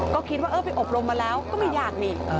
ก็คิดว่าเออไปอบรมมาแล้วก็ไม่ยากนี่